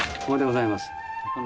おめでとうございます。